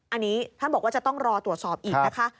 อันนี้ท่านบอกว่าจะต้องรอตรวจสอบอีกนะคะ